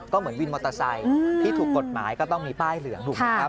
ก็เหมือนวินมอเตอร์ไซค์ที่ถูกกฎหมายก็ต้องมีป้ายเหลืองถูกไหมครับ